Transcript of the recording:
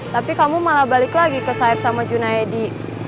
tapi kamu malah balik lagi ke sayap sama junaidi